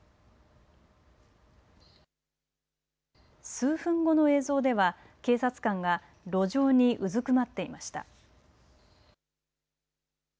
数分後の映像では警察官が路上にうずくまっていました。